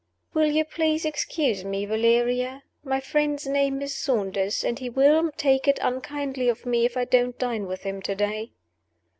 "Will you please to excuse me, Valeria? My friend's name is Saunders; and he will take it unkindly of me if I don't dine with him to day."